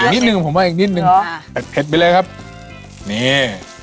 อีกนิดหนึ่งผมว่าอีกนิดหนึ่งเดี๋ยวอ่าเผ็ดไปเลยครับนี่